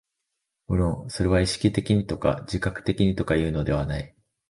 無論それは意識的にとか自覚的にとかいうのではない。